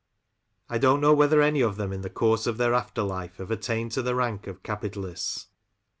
I don't know whether any of them in the course of their after life have attained to the rank of cap italists.